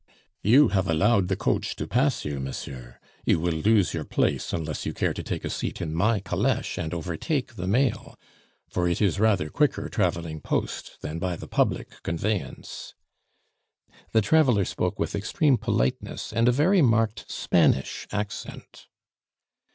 "You have allowed the coach to pass you, monsieur; you will lose your place unless you care to take a seat in my caleche and overtake the mail, for it is rather quicker traveling post than by the public conveyance." The traveler spoke with extreme politeness and a very marked Spanish accent.